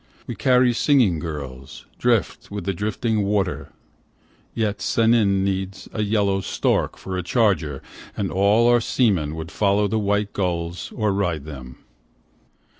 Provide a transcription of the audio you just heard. We carry singing girls, drift with the drifting water, Yet Sennin needs A yellow stork for a charger, and all our seamen Would follow the white gulls or ride them.